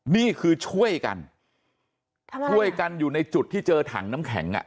นี่คือช่วยกันช่วยกันอยู่ในจุดที่เจอถังน้ำแข็งอ่ะ